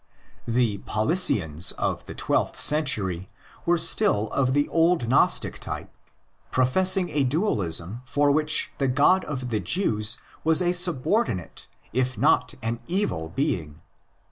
The Paulicians of the twelfth century were still of the old Gnostic type, professing a dualism for which the God of the Jews was a subordinate if not an evil being.